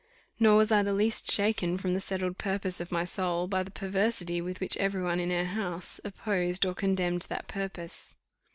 Nor was I the least shaken from the settled purpose of my soul, by the perversity with which every one in our house opposed or contemned that purpose.